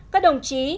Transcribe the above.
hai các đồng chí